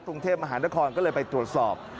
กรุงเทพมหานครก็เลยไปตรวจสอบ